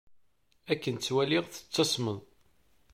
Akken ttwaliɣ tettasmeḍ.